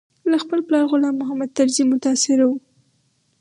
له خپل پلار غلام محمد طرزي متاثره و.